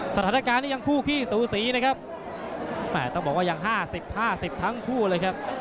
สถานการณ์นี้ยังคู่ขี้สูสีนะครับต้องบอกว่ายัง๕๐๕๐ทั้งคู่เลยครับ